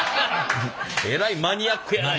えらいマニアックやな。